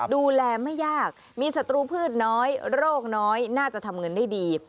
ดูแลไม่ยากมีศัตรูพืชน้อยโรคน้อยน่าจะทำเงินได้ดี